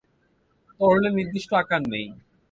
তরলের নির্দিষ্ট আকার নেই।